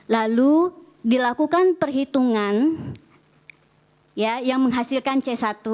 lalu dilakukan perhitungan yang menghasilkan c satu